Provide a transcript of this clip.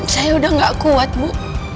saya udah gak kuat bu